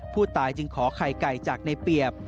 ผู้ตายจึงขอไข่ไก่จากในเปรียบ